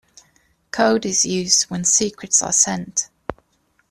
Code is used when secrets are sent.